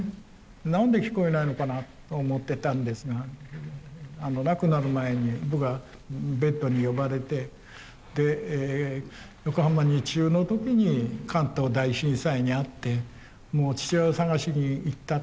何で聞こえないのかなと思ってたんですが亡くなる前に僕はベッドに呼ばれてで横浜二中の時に関東大震災に遭って父親を捜しに行った。